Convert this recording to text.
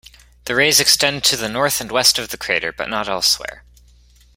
The rays extend to the north and west of the crater but not elsewhere.